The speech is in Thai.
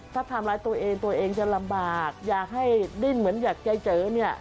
ถ้าทำร้ายตัวเองตัวเองจะลำบากอยากให้ดิ้นเหมือนอยากใจเจอเนี่ย